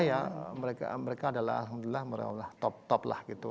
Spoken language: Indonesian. ya mereka adalah alhamdulillah mereka top top lah gitu